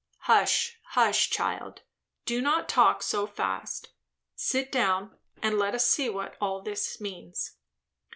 "Hush, hush, child! do not talk so fast. Sit down, and let us see what all this means."